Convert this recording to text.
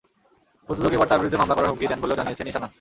প্রযোজক এবার তাঁর বিরুদ্ধে মামলা করার হুমকি দেন বলেও জানিয়েছেন ঈশানা।